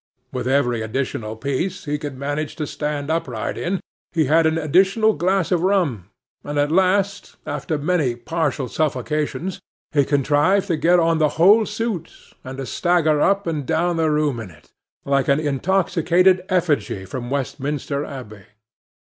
With every additional piece he could manage to stand upright in, he had an additional glass of rum; and at last, after many partial suffocations, he contrived to get on the whole suit, and to stagger up and down the room in it, like an intoxicated effigy from Westminster Abbey.